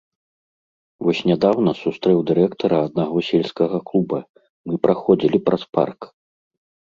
Вось нядаўна сустрэў дырэктара аднаго сельскага клуба, мы праходзілі праз парк.